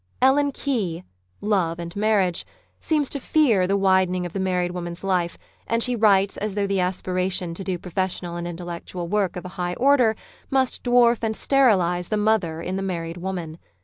Ellen Key (" Love and Marriage ") seems to fear the widening of the married woman's life, and she writes as though the aspiration to do professional and intellectual work of a high order must dwarf and sterilise the mother in the married woman.